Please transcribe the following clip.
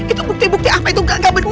itu bukti bukti apa itu gak bener